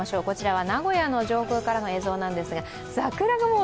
こちらは名古屋の上空からの映像なんですが桜が